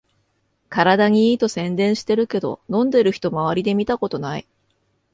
体にいいと宣伝してるけど、飲んでる人まわりで見たことない